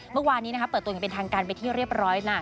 เมื่อวานนี้เปิดตัวอย่างเป็นทางการไปที่เรียบร้อยนะ